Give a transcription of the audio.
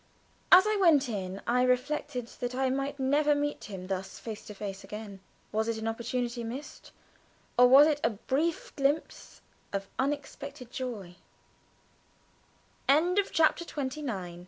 As I went in I reflected that I might never meet him thus face to face again. Was it an opportunity missed, or was it a brief glimpse of unexpected joy? CHAPTER XXX. THE TRUTH.